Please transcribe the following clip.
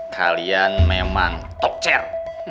kalian memang tocher